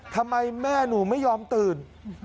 ทำไมแม่หนูไม่ยอมตื่น